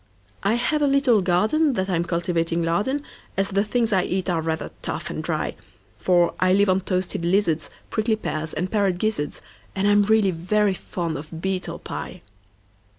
I have a little gardenThat I'm cultivating lard in, As the things I eat are rather tough and dry; For I live on toasted lizards, Prickly pears, and parrot gizzards, And I'm really very fond of beetle pie.